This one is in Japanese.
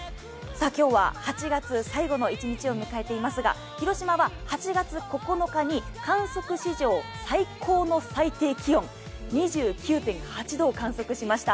今日は８月最後の一日を迎えていますが広島は８月９日に観測史上最高の最低気温２９．８度を観測しました。